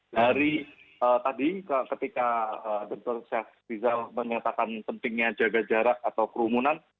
dari tadi ketika dr syah rizal menyatakan pentingnya jaga jarak atau kerumunan